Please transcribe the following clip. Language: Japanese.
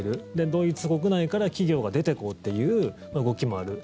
ドイツ国内から企業が出ていこうという動きもある。